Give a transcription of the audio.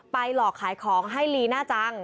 หลอกขายของให้ลีน่าจัง